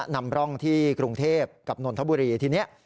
นำร่องที่กรุงเทพกับนนทบุรีทีนี้